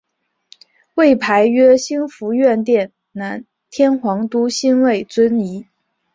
位牌曰兴福院殿南天皇都心位尊仪。